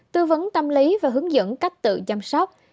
tư vấn tâm lý và hướng dẫn cách tự chăm sóc